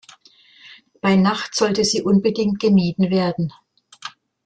Bei Nacht sollte sie unbedingt gemieden werden.